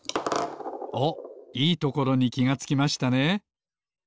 おっいいところにきがつきましたね。